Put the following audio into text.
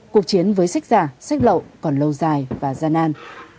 cuộc chiến với sách giả sách lậu còn lâu dài và gian nan